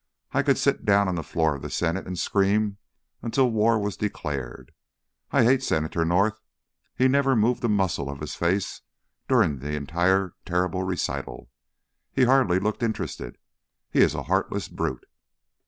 I could sit down on the floor of the Senate and scream until war was declared. I hate Senator North. He never moved a muscle of his face during that entire terrible recital. He hardly looked interested. He is a heartless brute."